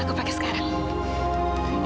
aku pakai sekarang